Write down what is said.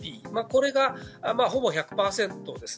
これがほぼ１００％です。